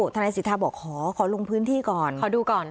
ทนายสิทธาบอกขอลงพื้นที่ก่อนขอดูก่อน